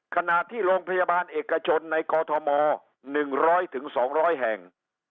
ขณะที่โรงพยาบาลเอกชนในกอทม๑๐๐๒๐๐แห่ง